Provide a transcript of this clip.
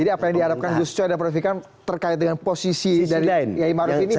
tapi apa yang diharapkan yusuf choy dan prof vikan terkait dengan posisi dari ymaru ini bisa